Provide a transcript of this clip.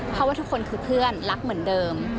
เพราะว่าทุกคนคือเพื่อนรักเหมือนเดิม